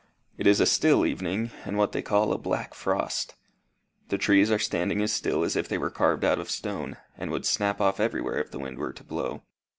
It is a still evening, and what they call a black frost. The trees are standing as still as if they were carved out of stone, and would snap off everywhere if the wind were to blow.